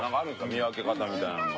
見分け方みたいなのは。